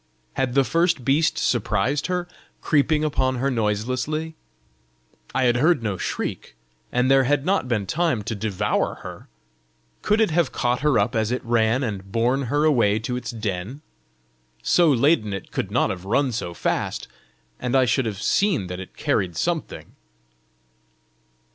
Had the first beast surprised her, creeping upon her noiselessly? I had heard no shriek! and there had not been time to devour her! Could it have caught her up as it ran, and borne her away to its den? So laden it could not have run so fast! and I should have seen that it carried something!